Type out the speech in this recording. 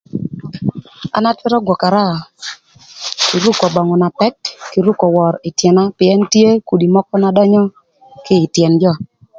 An atwërö gwökara kï ruko böngü na pëk, kï ruko wör ï tyëna pïën tye kudi mökö na dönyö kï ï tyën jö.